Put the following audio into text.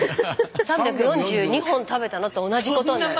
３４２本食べたのと同じことになる。